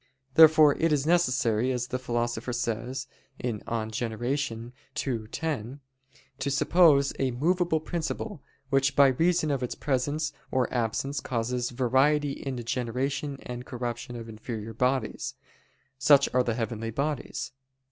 Therefore it is necessary, as the Philosopher says (De Gener. ii, 10), to suppose a movable principle, which by reason of its presence or absence causes variety in the generation and corruption of inferior bodies. Such are the heavenly bodies.